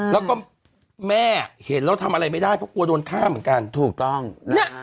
แล้วก็แม่เห็นแล้วทำอะไรไม่ได้เพราะกลัวโดนฆ่าเหมือนกันถูกต้อง